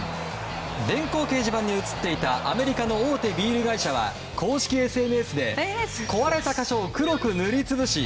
電光掲示板に映っていたアメリカの大手ビール会社は公式ＳＮＳで壊れた箇所を黒く塗り潰し